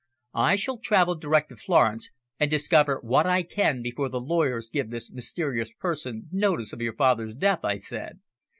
"I shall travel direct to Florence, and discover what I can before the lawyers give this mysterious person notice of your father's death," I said.